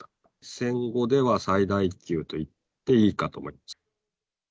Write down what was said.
戦後では最大級といっていいかと思います。